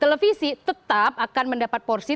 televisi tetap akan mendapat porsi